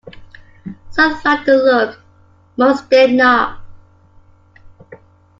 Some liked the look, most did not.